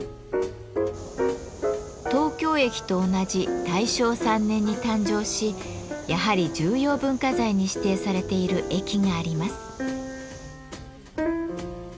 東京駅と同じ大正３年に誕生しやはり重要文化財に指定されている駅があります。